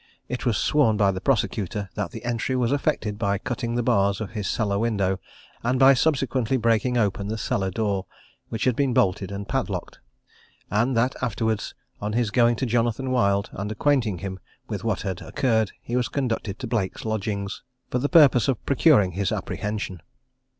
It was sworn by the prosecutor, that the entry was effected by cutting the bars of his cellar window, and by subsequently breaking open the cellar door, which had been bolted and padlocked; and that afterwards, on his going to Jonathan Wild, and acquainting him with what had occured, he was conducted to Blake's lodgings, for the purpose of procuring his apprehension.